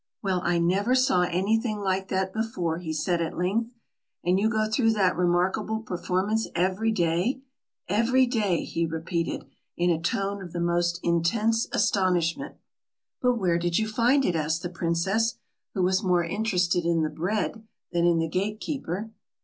"Well, I never saw anything like that before," he said at length. "And you go through that remarkable performance every day! Every day!" he repeated, in a tone of the most intense astonishment. "But where did you find it?" asked the princess, who was more interested in the bread than in the gate keeper.